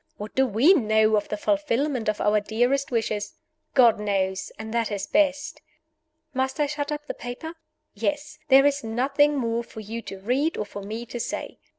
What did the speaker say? What do we know of the fulfillment of our dearest wishes? God knows and that is best. Must I shut up the paper? Yes. There is nothing more for you to read or for me to say.